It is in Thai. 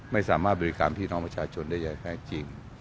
ไม่สามารถบริการพี่น้องประชาชนได้อย่างแท้จริง